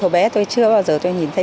hồi bé tôi chưa bao giờ tôi nhìn thấy